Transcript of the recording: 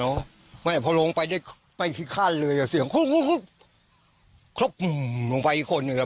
เนาะไม่พอลงไปได้ไปที่ขั้นเลยอ่ะเสียงลงไปคนอีกแล้ว